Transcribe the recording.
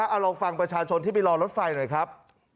เอาลองฟังประชาชนที่ไปรอรถไฟหน่อยครับ